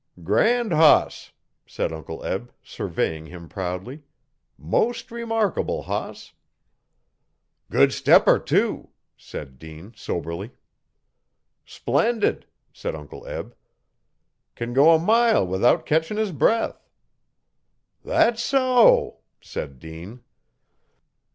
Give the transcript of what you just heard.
'Grand hoss!' said Uncle Eb, surveying him proudly. 'Most reemarkable hoss.' 'Good stepper, too,' said Dean soberly. 'Splendid!' said Uncle Eb. 'Can go a mile without ketchin' his breath.' 'Thet so?' said Dean.